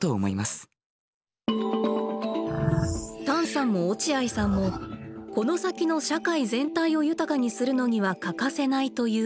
タンさんも落合さんもこの先の社会全体を豊かにするのには欠かせないというＡＩ。